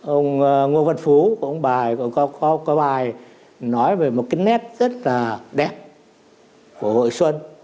ông ngo văn phú cũng có bài nói về một cái nét rất là đẹp của hội xuân